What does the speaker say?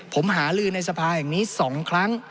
ผมหาลือในสภาแห่งนี้๒ครั้ง